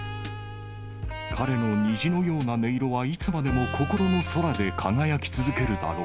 彼の虹のような音色はいつまでも、心の空で輝き続けるだろう。